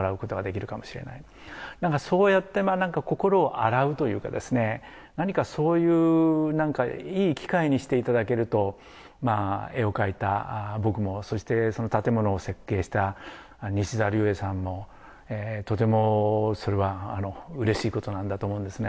そうやって心を洗うというかですね何かそういうなんかいい機会にしていただけると絵を描いた僕もそしてその建物を設計した西沢立衛さんもとてもそれはうれしいことなんだと思うんですね。